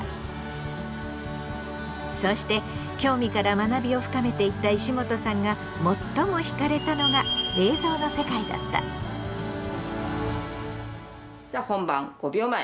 そうして興味から学びを深めていった石本さんが最もひかれたのがじゃあ本番５秒前４３２。